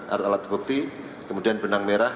art art bukti kemudian benang merah